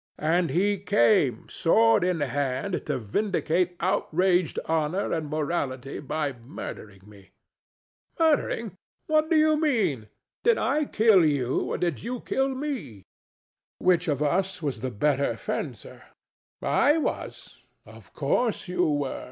And he came, sword in hand, to vindicate outraged honor and morality by murdering me. THE STATUE. Murdering! What do you mean? Did I kill you or did you kill me? DON JUAN. Which of us was the better fencer? THE STATUE. I was. DON JUAN. Of course you were.